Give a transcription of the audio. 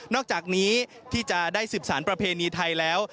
อกจากนี้ที่จะได้สืบสารประเพณีไทยแล้ว